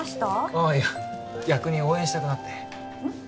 ああいや逆に応援したくなってうん？